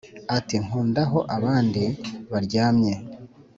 ati nkunda aho abandi baryamye